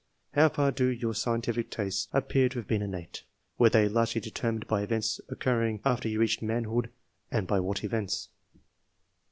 How far do your scientific tastes appear to have been innate? Were they largely determined by events occurring after you reached manhood, and by what events